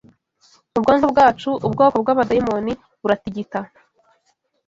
Mu bwonko bwacu, ubwoko bw'Abadayimoni buratigita